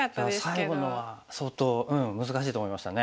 いや最後のは相当うん難しいと思いましたね。